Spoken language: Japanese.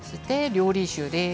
料理酒です。